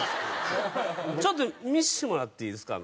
「ちょっと見せてもらっていいですか？」